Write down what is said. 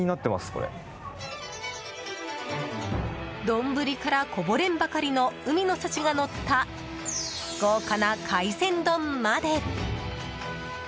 丼からこぼれんばかりの海の幸がのった豪華な海鮮丼まで。